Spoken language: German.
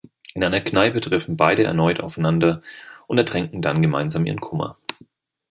In einer Kneipe treffen beide erneut aufeinander und ertränken dann gemeinsam ihren Kummer.